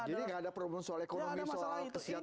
jadi tidak ada problem soal ekonomi soal kesehatan